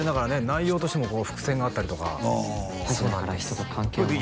内容としても伏線があったりとかそうなんです